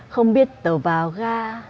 không biết tàu vào ga